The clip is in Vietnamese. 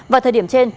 vào thời điểm trên